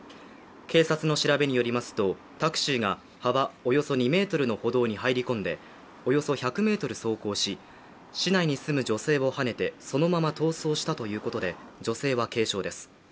警察の調べによりますとタクシーが幅およそ２ｍの歩道に入り込んでおよそ１００ｍ走行し、市内に住む女子をはねてそのまま逃走したということで女性は軽傷です。